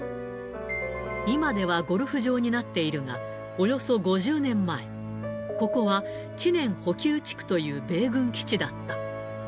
今ではゴルフ場になっているが、およそ５０年前、ここは知念補給地区という米軍基地だった。